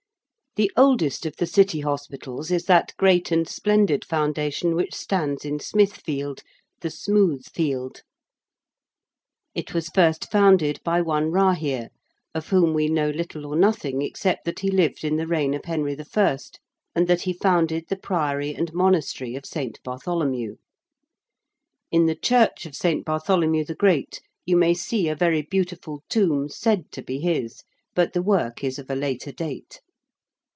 The oldest of the City Hospitals is that great and splendid Foundation which stands in Smithfield the Smooth Field. It was first founded by one Rahere, of whom we know little or nothing except that he lived in the reign of Henry I., and that he founded the Priory and Monastery of St. Bartholomew. In the church of St. Bartholomew the Great you may see a very beautiful tomb said to be his, but the work is of a later date.